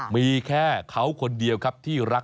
มีแค่เขาคนเดียวครับที่รัก